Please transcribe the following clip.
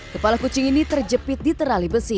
kepala kucing ini terjepit di terali besi